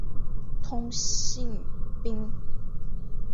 通信兵。